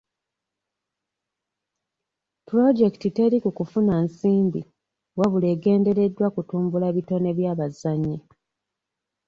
Pulojekiti teri ku kufuna nsimbi wabula egendereddwa kutumbula bitone by'abazannyi.